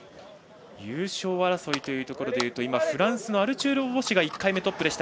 優勝争いというところでいうとフランスのアルチュール・ボシェが１回目トップ。